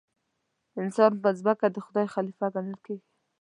انسان پر ځمکه د خدای خلیفه ګڼل کېږي.